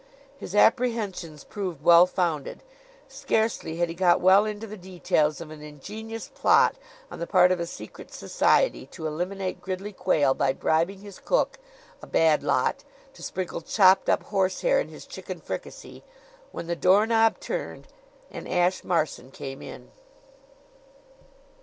His apprehensions proved well founded. Scarcely had he got well into the details of an ingenious plot on the part of a secret society to eliminate Gridley Quayle by bribing his cook a bad lot to sprinkle chopped up horsehair in his chicken fricassee, when the door knob turned and Ashe Marson came in.